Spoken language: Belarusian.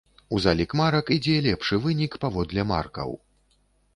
У залік марак ідзе лепшы вынік паводле маркаў.